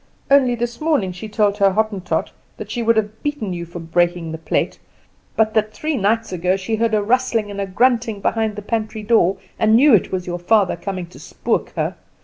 Only this morning she told her Hottentot that she would have beaten you for breaking the plate, but that three nights ago she heard a rustling and a grunting behind the pantry door, and knew it was your father coming to spook her.